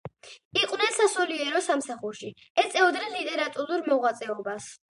იყვნენ სასულიერო სამსახურში, ეწეოდნენ ლიტერატურულ მოღვაწეობას.